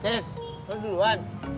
tes kau duluan